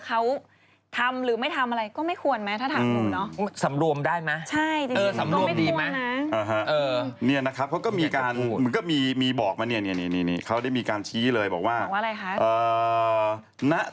เขาทำหรือไม่ทำอะไรก็ไม่ควรไหมถ้าถามดูเนาะ